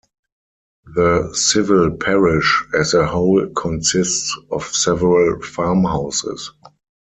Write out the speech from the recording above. The civil parish as a whole consists of several farm houses.